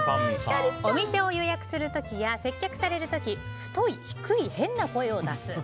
お店を予約する時や接客される時太い低い変な声を出す。